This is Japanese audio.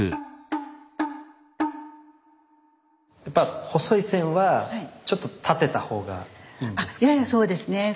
やっぱ細い線はちょっと立てた方がいいんですか？